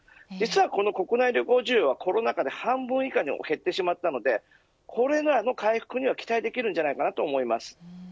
この国内旅行需要はコロナ禍で半分以下に減ってしまったのでこれがこれからの回復に期待できると思います。